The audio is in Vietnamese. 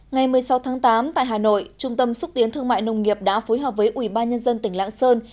ngày một mươi sáu tháng tám tại hà nội trung tâm xúc tiến thương mại nông nghiệp đã phối hợp với ubnd tỉnh lãng sơn